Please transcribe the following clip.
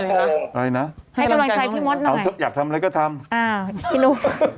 ให้กำลังใจพี่มดหน่อยอ้าวพี่นุ